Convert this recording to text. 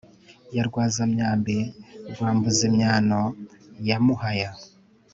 ya rwaza-myambi rwa mbuz-imyano, ya muhaya